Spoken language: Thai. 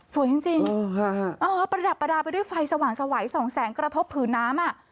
สวยจริงประดับไปด้วยไฟสว่างสวัยส่องแสงกระทบผืนน้ำ